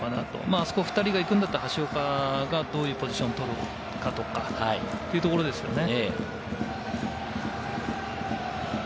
あそこ２人で行くんだったら、橋岡が、どういうポジションを取るかとかというところですよね。